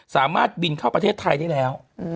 สามารถบินเข้าประเทศไทยได้แล้ว